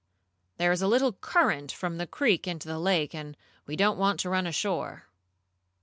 "There is a little current from the creek into the lake, and we don't want to run ashore."